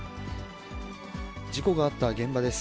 事故があった現場です。